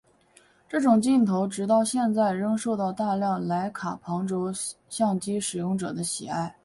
这种镜头直到现在仍受到大量莱卡旁轴相机使用者的喜爱。